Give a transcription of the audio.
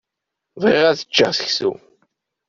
Bɣiɣ ad ččeɣ seksu.